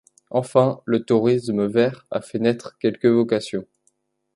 Enfin le tourisme vert a fait naître quelques vocations.